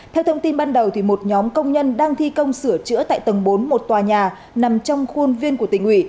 theo thông tin ban đầu một nhóm công nhân đang thi công sửa chữa tại tầng bốn một tòa nhà nằm trong khuôn viên của tỉnh ủy